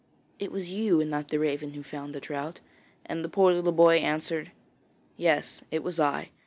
'It was you and not the raven who found the trout,' and the poor little boy answered: 'Yes; it was I.